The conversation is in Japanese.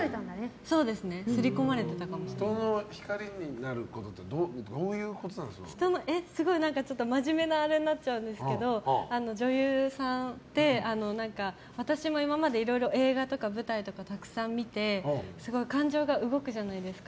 そうですね人の光になるって真面目なあれになっちゃうんですけど女優さんで、私も今までいろいろ映画とか舞台とかたくさん見て感情が動こうじゃないですか。